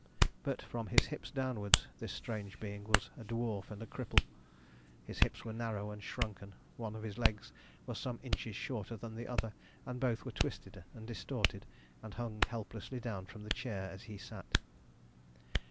But from his hips downwards, this strange being was a dwarf and a cripple. His hips were narrow and shrunken, one of his legs was some inches shorter than the other, and both were twisted and distorted, and hung helplessly down from the chair as he sat.